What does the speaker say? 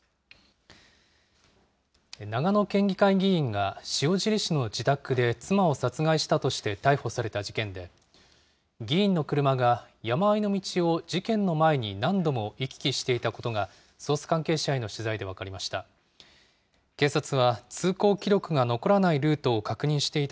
長野県議会議員が、塩尻市の自宅で妻を殺害したとして逮捕された事件で、議員の車が山あいの道を事件の前に何度も行き来していたことが、捜査関係者への取材で分かりました。